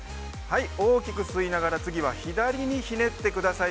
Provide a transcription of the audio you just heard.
大きく吸いながら次は左にひねってください。